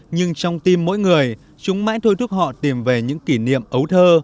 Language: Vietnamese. nhưng trong tim mỗi người chúng mãi thôi thúc họ tìm về những kỷ niệm ấu thơ